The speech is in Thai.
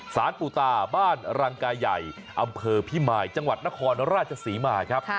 ปูตาบ้านรังกายใหญ่อำเภอพิมายจังหวัดนครราชศรีมาครับ